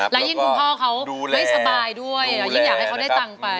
แล้วยิ่งคุณพ่อเขาไม่สบายด้วยแล้วยิ่งอยากให้เขาได้ตังค์ไป